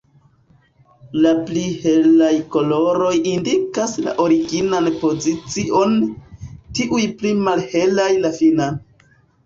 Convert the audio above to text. La pli helaj koloroj indikas la originan pozicion, tiuj pli malhelaj la finan.